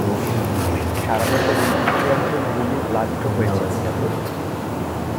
সারাদেশের দুই- তৃতীয়াংশ ভূমি প্লাবিত হয়েছিল।